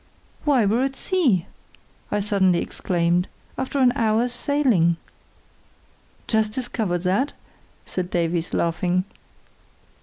"Why, we're at sea!" I suddenly exclaimed, "after an hour's sailing!" "Just discovered that?" said Davies, laughing.